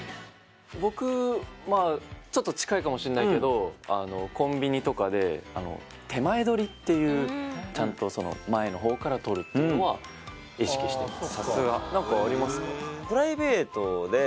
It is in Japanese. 僕、ちょっと近いかもしれないけど、コンビニで手前取りってちゃんと前の方から取るのは意識しています。